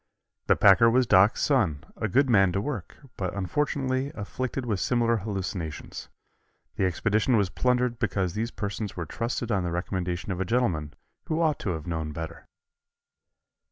The packer was "Doc's" son, a good man to work, but unfortunately afflicted with similar hallucinations. The expedition was plundered because these persons were trusted on the recommendation of a gentleman who ought to have known better.